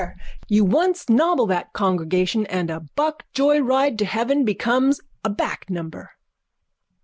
You once nobble that, congregation, and a buck joyride to heaven becomes a back number.